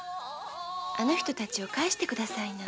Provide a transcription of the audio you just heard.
あの人たちを帰して下さいな。